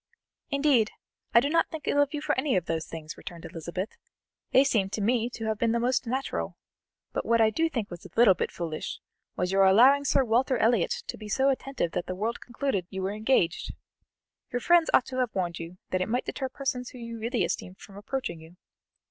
"Indeed, I do not think ill of you for any of those things," returned Elizabeth; "they seem to me to have been most natural; but what do I think was a little bit foolish, was your allowing Sir Walter Elliot to be so attentive that the world concluded you were engaged. Your friends ought to have warned you that it might deter persons you really esteemed from approaching you."